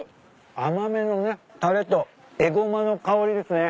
甘めのねたれとエゴマの香りですね。